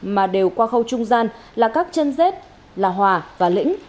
mà đều qua khâu trung gian là các chân dết là hòa và lĩnh